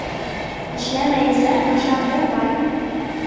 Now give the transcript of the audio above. Эшләмәйенсә ашап булмай